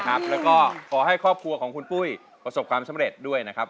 แล้วก็ขอให้ครอบครัวของคุณปุ้ยประสบความสำเร็จด้วยนะครับ